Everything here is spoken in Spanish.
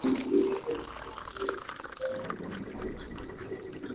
El Consulado británico.